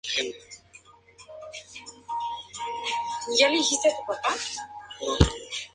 Poseen un melón prominente.